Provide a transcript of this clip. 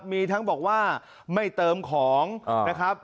มีทั้งบอกว่าไม่เติมของนะครับ